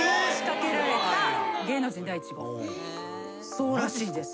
そうらしいです。